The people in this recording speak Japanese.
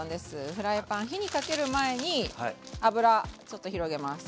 フライパン火にかける前に油ちょっと広げます。